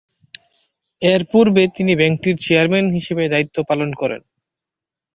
এরপূর্বে তিনি ব্যাংকটির চেয়ারম্যান হিসেবে দায়িত্ব পালন করেন।